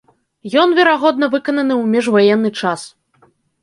Ён, верагодна, выкананы ў міжваенны час.